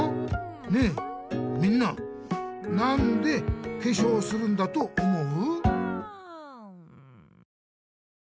ねえみんななんでけしょうをするんだと思う？